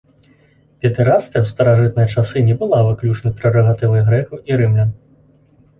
Педэрастыя ў старажытныя часы не была выключна прэрагатывай грэкаў і рымлян.